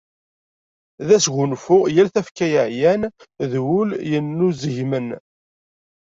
D asgunfu i yal tafekka yeɛyan, d wul yenuzegmen.